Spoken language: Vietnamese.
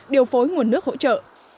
điều phối nguồn nước hỗ trợ